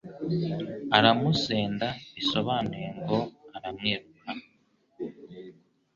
Aramusenda bisonanuye ngo aramwirukana,